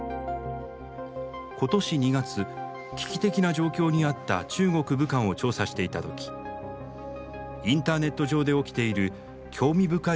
今年２月危機的な状況にあった中国・武漢を調査していた時インターネット上で起きている興味深い動きに気が付きました。